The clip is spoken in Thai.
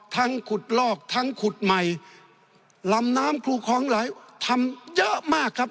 ขุดลอกทั้งขุดใหม่ลำน้ำครูคลองหลายทำเยอะมากครับ